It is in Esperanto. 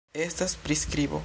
Estas priskribo